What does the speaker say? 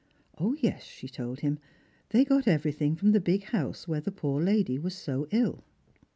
Yes, she told him, tliey got everything from the big house where the poor lady was BO ill.